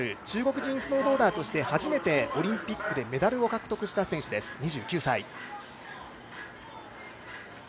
中国人スノーボーダーとして初めてオリンピックでメダルを獲得した選手です。